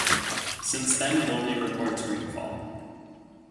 Since then it only reports rainfall.